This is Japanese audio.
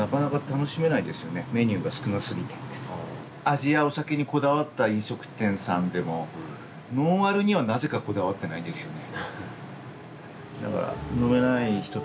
味やお酒にこだわった飲食店さんでもノンアルにはなぜかこだわってないんですよね。